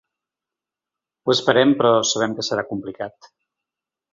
Ho esperem, però sabem que serà complicat.